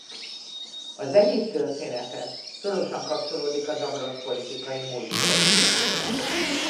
A Zenyit története szorosan kapcsolódik a zavaros politikai múlthoz.